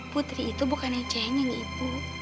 putri itu bukan yang cengeng ibu